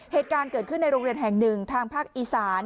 เหตุการณ์เกิดขึ้นในโรงเรียนแห่งหนึ่งทางภาคอีสาน